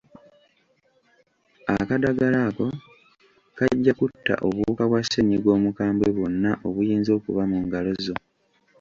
Akadagala ako kajja kutta obuwuka bwa ssennyiga omukabwe bwonna obuyinza okuba mu ngalo zo.